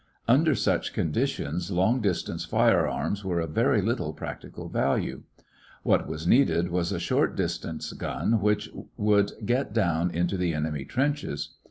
Under such conditions long distance firearms were of very little practical value. What was needed was a short distance gun which would get down into the enemy trenches.